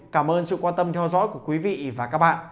cảm ơn sự quan tâm theo dõi của quý vị và các bạn